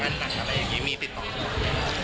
งานต่างจากอะไรอย่างนี้มีติดต่อมาแล้วค่ะ